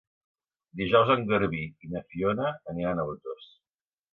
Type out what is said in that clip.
Dijous en Garbí i na Fiona aniran a Otos.